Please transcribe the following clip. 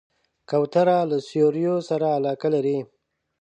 کوتره له سیوریو سره علاقه لري.